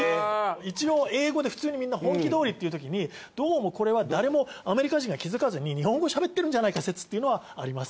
一応英語で普通にみんなｈｕｎｋｙｄｏｒｙって言うときにどうもこれは誰もアメリカ人が気づかずに日本語しゃべってるんじゃないか説っていうのはあります。